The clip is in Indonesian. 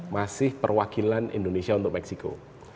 masih perwakilan indonesia untuk meksiko